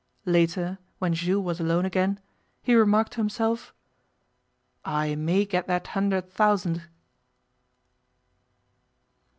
Later, when Jules was alone again, he remarked to himself, 'I may get that hundred thousand.